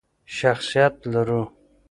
شخصیت لرو.